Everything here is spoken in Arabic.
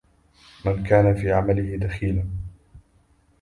من كان في علمه دخيلا